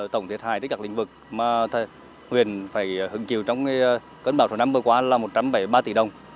tổng thiệt hài tất cả các lĩnh vực mà huyền phải hứng chiều trong cấn báo năm vừa qua là một trăm bảy mươi ba tỷ đồng